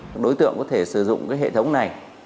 các đối tượng có thể sử dụng cái hệ thống này